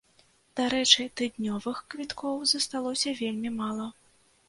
Дарэчы, тыднёвых квіткоў засталося вельмі мала.